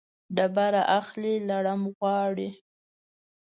ډبره اخلي ، لړم غواړي.